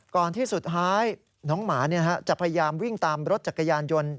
ที่สุดท้ายน้องหมาจะพยายามวิ่งตามรถจักรยานยนต์